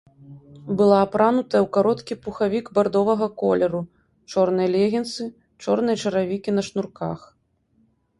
Была апранутая ў кароткі пухавік бардовага колеру, чорныя легінсы, чорныя чаравікі на шнурках.